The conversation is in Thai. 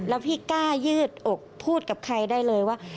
แล้วพี่กล้ายืดอกพูดกับใครได้เลยว่า